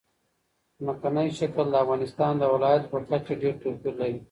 ځمکنی شکل د افغانستان د ولایاتو په کچه ډېر توپیر لري.